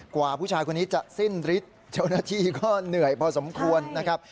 กว่าผู้ชายคนนี้จะสิ้นฤทธิ์เจ้าหน้าที่ก็เหนื่อยพอสมควรนะครับ